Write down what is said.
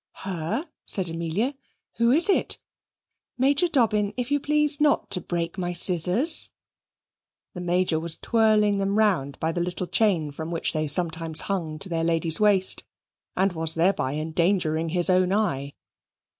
"Her!" said Amelia, "who is it? Major Dobbin, if you please not to break my scissors." The Major was twirling them round by the little chain from which they sometimes hung to their lady's waist, and was thereby endangering his own eye.